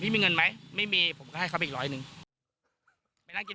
พี่มีเงินไหมไม่มีผมรับอีกร้อยหนึ่ง